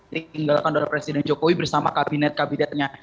di tinggalkan oleh presiden jokowi bersama kabinet kabinetnya